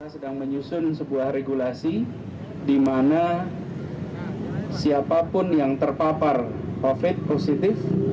sedang menyusun sebuah regulasi di mana siapapun yang terpapar covid positif